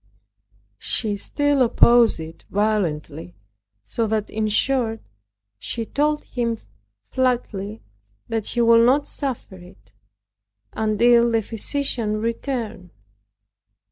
She still opposed it violently so that in short she told him flatly that she would not suffer it, until the physician returned.